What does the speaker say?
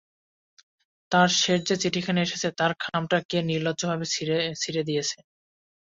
তাঁর শেষ যে চিঠিখানা এসেছে, তার খামটা কে নির্লজ্জভাবে ছিঁড়ে দিয়েছে।